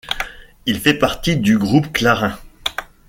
Il fait partie du groupe Clarín.